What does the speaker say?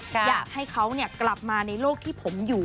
อยากให้เขากลับมาในโลกที่ผมอยู่